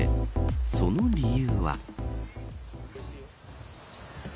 その理由は。